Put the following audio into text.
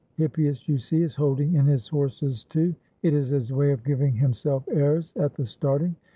Hippias, you see, is holding in his horses, too; it is his way of giving himself airs at the starting.